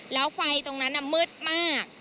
แล้วไฟตรงนั้นมืดมาก